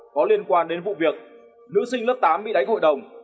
có liên quan đến vụ việc nữ sinh lớp tám bị đánh hội đồng